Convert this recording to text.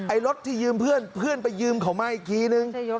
รถที่ยืมเพื่อนเพื่อนไปยืมเขามาอีกทีนึง